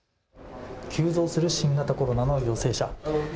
急増する新型コロナの陽性者。